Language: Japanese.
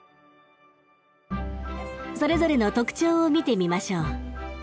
それぞれの特徴を見てみましょう。